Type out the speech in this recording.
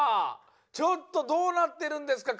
ちょっとどうなってるんですか？